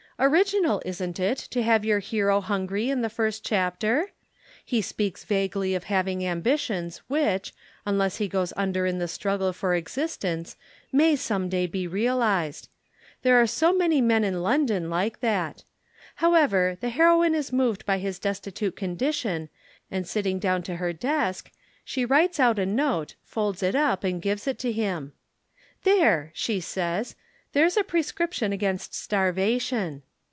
Original, isn't it, to have your hero hungry in the first chapter? He speaks vaguely of having ambitions which, unless he goes under in the struggle for existence may some day be realized. There are so many men in London like that. However, the heroine is moved by his destitute condition and sitting down to her desk, she writes out a note, folds it up and gives it to him. 'There!' she says, 'there's a prescription against starvation.'